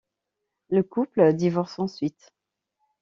Le couple divorce ensuite.